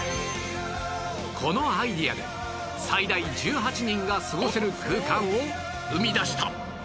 このアイデアで最大１８人が過ごせる空間を生み出した